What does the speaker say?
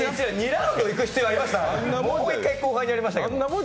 ２ラウンド行く必要ありました？